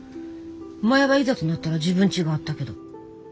前はいざとなったら自分ちがあったけど。